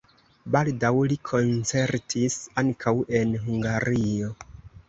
Baldaŭ li koncertis ankaŭ en Hungario.